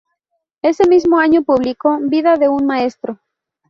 Ese mismo año publicó "Vida de un maestro".